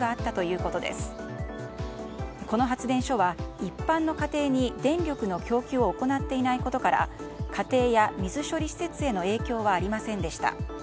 この発電所は一般の家庭に電力の供給を行っていないことから家庭や水処理施設への影響はありませんでした。